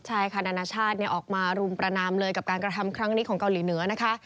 ใช่ค่ะนานาชาติออกมารุมประนามเลยกับการกระทำครั้งนี้ของเกาหลีเหนือนะคะ